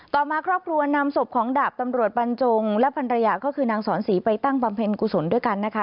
ต่อมาครอบครัวนำศพของดาบตำรวจบรรจงและภรรยาก็คือนางสอนศรีไปตั้งบำเพ็ญกุศลด้วยกันนะคะ